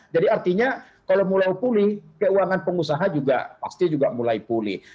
jadi artinya kalau mulai pulih keuangan pengusaha juga pasti juga mulai pulih